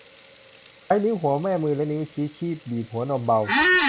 ใช้นิ้วหัวแม่มือและนิ้วชี้คีบบีบหัวนมเบา